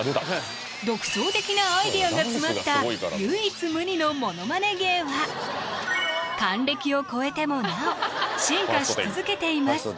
独創的なアイデアが詰まった唯一無二のものまね芸は還暦を超えてもなお進化し続けています